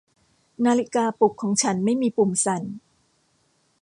นาฬิกาปลุกของฉันไม่มีปุ่มสั่น